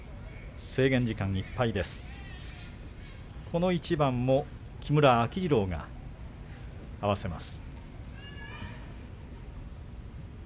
この一番も木村秋治郎が合わせます。